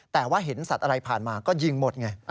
แต่ว่าเห็นสัตว์อะไรผ่านมาก็ยิงหมดไง